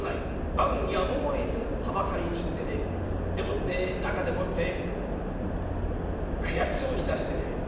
万やむをえずはばかりに行ってねでもって中でもって悔しそうに出してね。